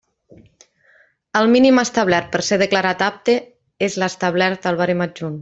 El mínim establert per ser declarat apte és l'establert al barem adjunt.